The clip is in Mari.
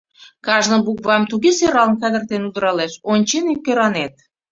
Кажне буквам туге сӧралын кадыртен удыралеш, ончен кӧранет.